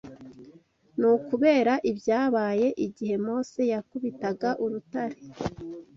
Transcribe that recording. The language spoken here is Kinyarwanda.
Ni ukubera ibyabaye igihe Mose yakubitaga urutare